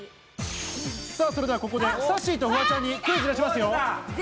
それではここでさっしーとフワちゃんにクイズを出しますよ。